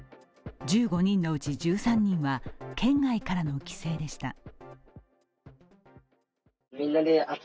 １５人のうち１３人は県外からの帰省でした。